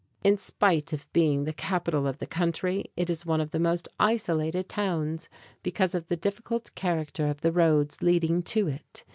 In spite of being the capital of the country, it is one of its most isolated towns, because of the difficult character of the roads leading to it.